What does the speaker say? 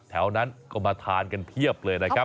แถวนั้นก็มาทานกันเพียบเลยนะครับ